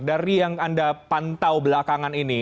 dari yang anda pantau belakangan ini